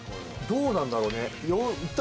どうなんだろうね。